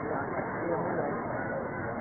สวัสดีครับสวัสดีครับ